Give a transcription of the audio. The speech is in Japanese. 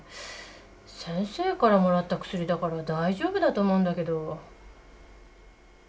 先生からもらった薬だから大丈夫だと思うんだけど。